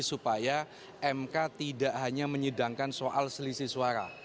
supaya mk tidak hanya menyidangkan soal selisih suara